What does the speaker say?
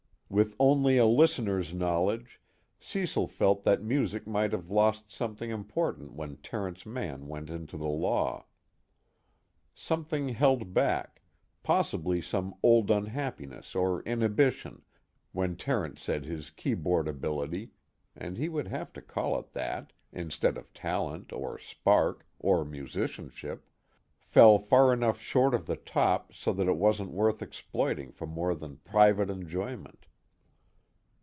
With only a listener's knowledge, Cecil felt that music might have lost something important when Terence Mann went into the law. Something held back, possibly some old unhappiness or inhibition, when Terence said his keyboard ability and he would have to call it that, instead of talent or spark or musicianship! fell far enough short of the top so that it wasn't worth exploiting for more than private enjoyment.